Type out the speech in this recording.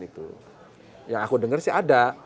itu yang aku dengar sih ada